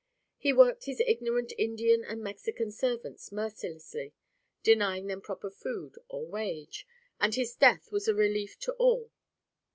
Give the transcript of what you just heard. He worked his ignorant Indian and Mexican servants mercilessly, denying them proper food or wage, and his death was a relief to all.